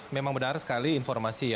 memang benar sekali informasinya